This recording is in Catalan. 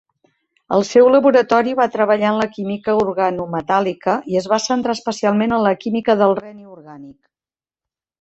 El seu laboratori va treballar en la química organometàl·lica, i es va centrar especialment en la química del reni orgànic.